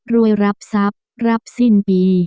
รับทรัพย์รับสิ้นปี